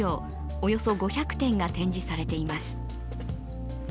およそ５００点が展示されています。